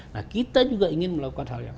nah kita juga ingin melakukan hal yang